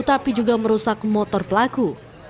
tapi juga merusak motor pelaku